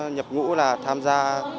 nhập ngũ là tham gia